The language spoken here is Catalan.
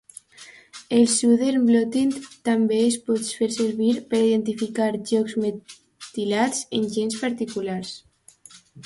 El "Southern blotting" també es pot fer servir per a identificar llocs metilats en gens particulars.